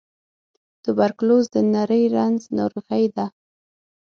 توبرکلوز د نري رنځ ناروغۍ ده.